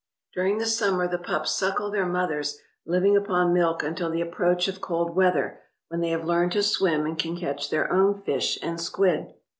During the summer the pups suckle their mothers, living upon milk until the approach of cold weather, when they have learned to swim and can catch their own fish and squid.